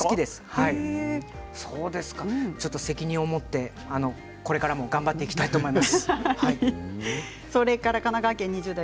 責任を持ってこれからも頑張って生きたいと思います。